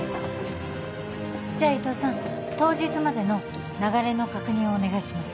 じゃあ伊藤さん当日までの流れの確認をお願いします